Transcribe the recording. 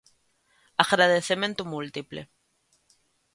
Agradecemento múltiple.